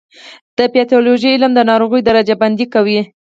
د پیتالوژي علم د ناروغیو درجه بندي کوي.